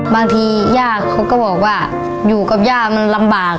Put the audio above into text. บางทียากเขาก็บอกว่าอยู่กับยากมันลำบาก